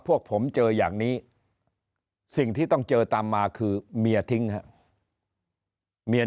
พวกผมเจออย่างนี้สิ่งที่ต้องเจอจำมาคือเมียทิ้งมีอัน